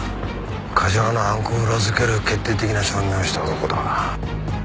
梶間の犯行を裏付ける決定的な証言をした男だ。